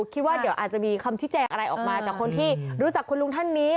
คิดว่าเดี๋ยวอาจจะมีคำชี้แจงอะไรออกมาจากคนที่รู้จักคุณลุงท่านนี้